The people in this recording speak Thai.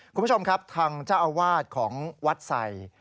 คุณผู้ชมครับทางเจ้าอาวาสของวัดใส่